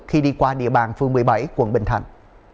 khi đi qua địa bàn phường một mươi bảy quận bình thạnh